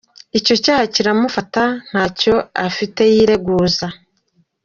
Icyo cyaha kiramufata, ntacyo afite yireguza.